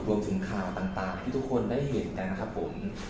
รวมถึงข่าวต่างที่ทุกคนได้เห็นกันนะครับผม